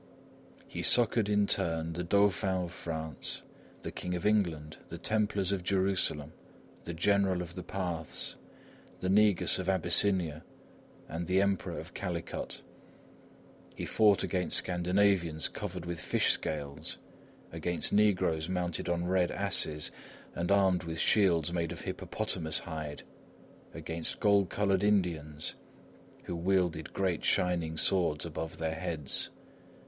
He succoured in turn the Dauphin of France, the King of England, the Templars of Jerusalem, the General of the Parths, the Negus of Abyssinia and the Emperor of Calicut. He fought against Scandinavians covered with fish scales, against negroes mounted on red asses and armed with shields made of hippopotamus hide, against gold coloured Indians who wielded great, shining swords above their heads.